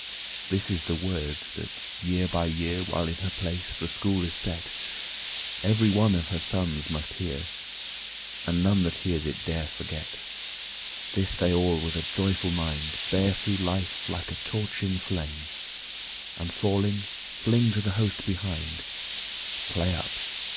This is the word that year by year, While in her place the School is set, Every one of her sons must hear, And none that hears it dare forget. This they all with a joyful mind Bear through life like a torch in flame, And falling fling to the host behind "Play up!